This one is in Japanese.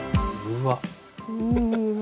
うーわっ。